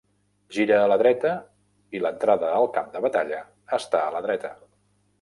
Gira a la dreta i l'entrada al camp de batalla està a la dreta.